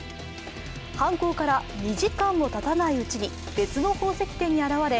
犯行から２時間もたたないうちに別の宝石店に訪れ